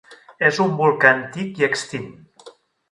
És un volcà antic i extint.